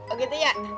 oh gitu ya